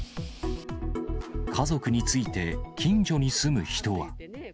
家族について、近所に住む人は。